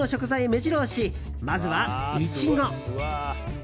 目白押しまずはイチゴ。